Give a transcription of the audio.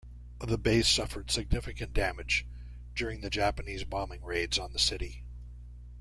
The base suffered significant damage during the Japanese bombing raids on the city.